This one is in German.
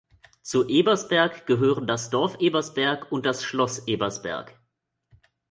Zu "Ebersberg" gehören das Dorf Ebersberg und das Schloss Ebersberg.